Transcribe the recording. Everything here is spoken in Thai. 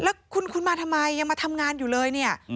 แล้วคุณมาทำไมยังมาทำงานอยู่เลยเนี่ย